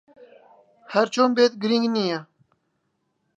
ھەر چۆن بێت، گرنگ نییە.